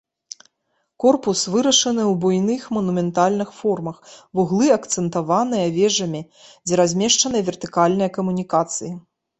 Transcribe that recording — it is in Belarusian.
Корпус вырашаны ў буйных манументальных формах, вуглы акцэнтаваныя вежамі, дзе размешчаныя вертыкальныя камунікацыі.